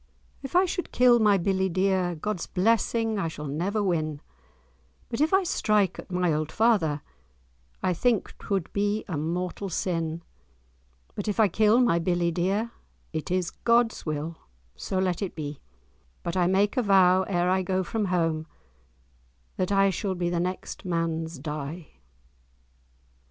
"If I should kill my billie dear, God's blessing I shall never win; But if I strike at my auld father, I think 'twould be a mortal sin. But if I kill my billie dear It is God's will, so let it be; But I make a vow, ere I go from home, That I shall be the next man's die."